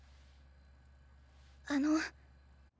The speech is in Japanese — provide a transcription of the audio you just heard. あの。